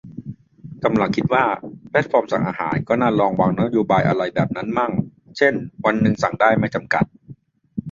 กำลังคิดว่า แพลตฟอร์มสั่งอาหารก็น่าลองวางนโยบายไรแบบนั้นมั่ง เช่น วันนึงสั่งได้ไม่จำกัด